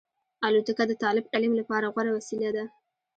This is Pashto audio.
الوتکه د طالب علم لپاره غوره وسیله ده.